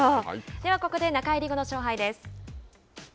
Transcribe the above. では、ここで中入り後の勝敗です。